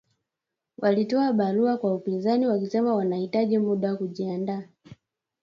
Walitoa barua kwa upinzani wakisema wanahitaji muda kujiandaa